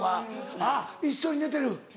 あっ一緒に寝てる？